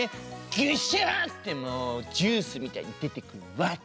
グシャッてもうジュースみたいにでてくるわけ。